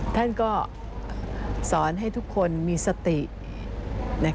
ท่านก็สอนให้ทุกคนมีสติ